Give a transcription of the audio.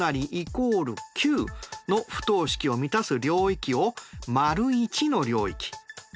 ９の不等式を満たす領域を①の領域。